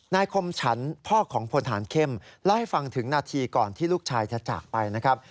คมฉันพ่อของพลฐานเข้มเล่าให้ฟังถึงนาทีก่อนที่ลูกชายจะจากไปนะครับ